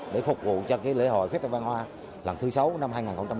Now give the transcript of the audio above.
để phục vụ cho lễ hội phép tây ban hoa lần thứ sáu năm hai nghìn một mươi năm